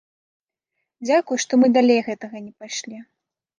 Дзякуй, што мы далей гэтага не пайшлі.